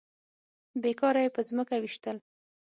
بې کاره يې په ځمکه ويشتل.